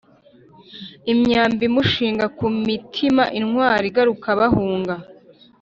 Imyambi imushinga ku mutimaIntwari igaruka bahunga